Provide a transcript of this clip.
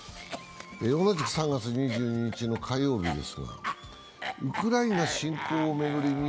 同じく３月２２日の火曜日ですがウクライナ侵攻を巡り